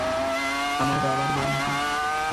আমার বাবার বন্ধু।